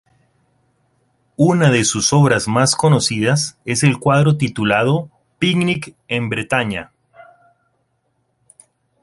Una de sus obras más conocidas es el cuadro titulado "Picnic en Bretaña".